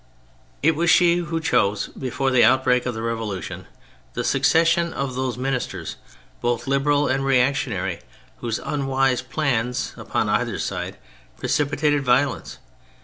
It was she who chose, before the outbreak of the Revolution, the successi on of those ministers both Liberal and Reactionary, whose unwise plans upon either side precipitated violence.